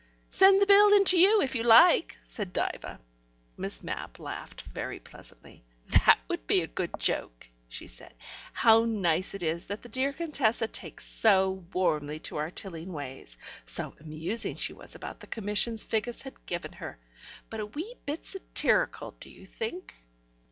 "Send the bill into you, if you like," said Diva. Miss Mapp laughed very pleasantly. "That would be a good joke," she said. "How nice it is that the dear Contessa takes so warmly to our Tilling ways. So amusing she was about the commissions Figgis had given her. But a wee bit satirical, do you think?"